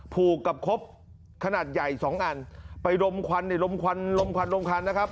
ผูกกับครบขนาดใหญ่สองอันไปดมควันในลมควันลมควันลมควันนะครับ